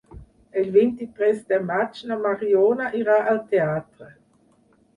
El vint-i-tres de maig na Mariona irà al teatre.